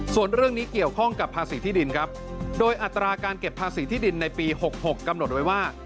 ส่วนเรื่องนี้เกี่ยวข้องกับภาษีที่ดินครับโดยอัตราการเก็บภาษีที่ดินในปี๖๖กำหนดไว้ว่า